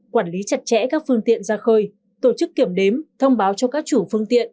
quản lý chặt chẽ các phương tiện ra khơi tổ chức kiểm đếm thông báo cho các chủ phương tiện